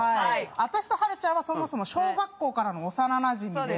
私とはるちゃんはそもそも小学校からの幼なじみで。